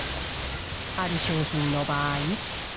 ある商品の場合。